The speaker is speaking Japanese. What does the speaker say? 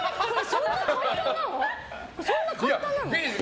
そんな簡単なの？